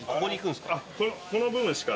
この部分しか。